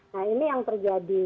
nah ini yang terjadi